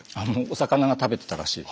お魚が食べてたらしい。